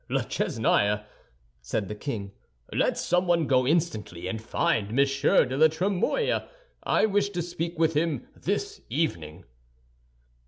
"La Chesnaye," said the king, "let someone go instantly and find Monsieur de la Trémouille; I wish to speak with him this evening."